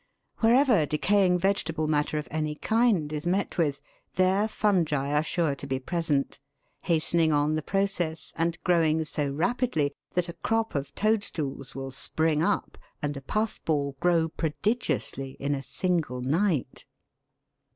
Wherever decaying vegetable matter of any kind is met with, there fungi are sure to be present, hastening on the process and growing so rapidly that a crop of toadstools will spring up and a puff ball grow prodigiously in a single night.